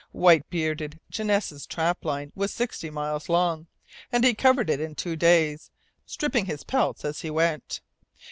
White bearded Janesse's trapline was sixty miles long, and he covered it in two days, stripping his pelts as he went.